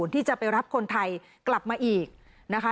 ที่จะไปรับคนไทยกลับมาอีกนะคะ